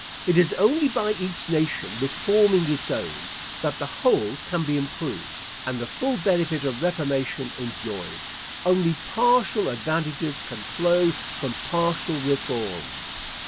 It is only by each nation reforming its own, that the whole can be improved, and the full benefit of reformation enjoyed. Only partial advantages can flow from partial reforms.